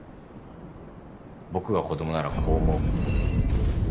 僕が子供ならこう思う。